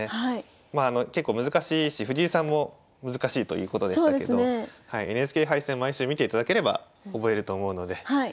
まあ結構難しいし藤井さんも難しいということでしたけどＮＨＫ杯戦毎週見ていただければ覚えると思うので。